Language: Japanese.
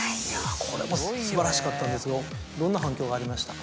これも素晴らしかったんですけどどんな反響がありましたか？